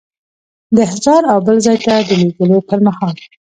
د احضار او بل ځای ته د لیږلو پر مهال.